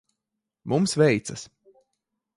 Mums veicas.